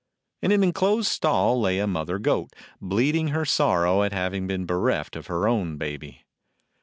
In an inclosed stall lay a mother goat, bleating her sorrow at having been bereft of her own baby.